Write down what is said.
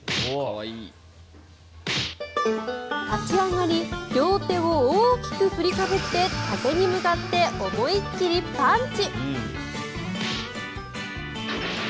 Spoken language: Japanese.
立ち上がり両手を大きく振りかぶって竹に向かって思い切りパンチ。